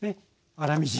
粗みじん。